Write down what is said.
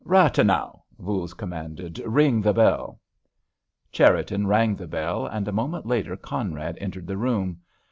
"Rathenau," Voules commanded, "ring the bell." Cherriton rang the bell, and a moment later Conrad entered the room.